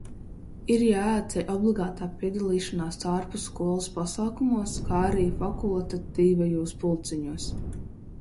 Ir jāatceļ obligātā piedalīšanās ārpusskolas pasākumos, kā arī fakultatīvajos pulciņos.